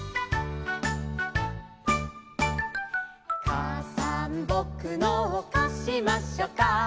「かあさんぼくのをかしましょか」